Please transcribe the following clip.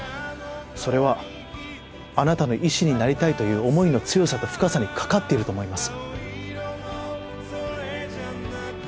それはあなたの医師になりたいという思いの強さと深さにかかっていると思います。